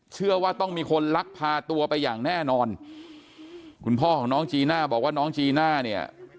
เชื่อว่าต้องมีคนลักพาตัวไปอย่างแน่นอนคุณพ่อของน้องจีน่าบอกว่าน้องจีน่าเนี่ย